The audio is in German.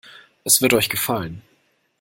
Es wird euch gefallen.